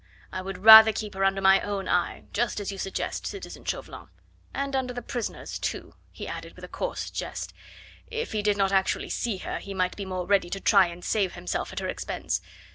I would rather keep her under my own eye just as you suggest, citizen Chauvelin... and under the prisoner's, too," he added with a coarse jest. "If he did not actually see her, he might be more ready to try and save himself at her expense.